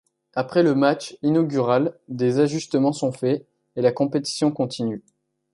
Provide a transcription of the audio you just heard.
Après le match inaugural, des ajustements sont faits, et la compétition continue.